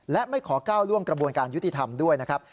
และไม่ขอก้าวล่วงกระบวนการยุติธรรมด้วยนะครับ